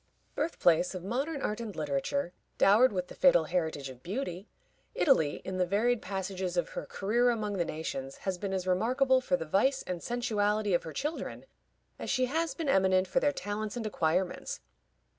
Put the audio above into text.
Birth place of modern art and literature, dowered with the fatal heritage of beauty, Italy, in the varied passages of her career among the nations, has been as remarkable for the vice and sensuality of her children as she has been eminent for their talents and acquirements.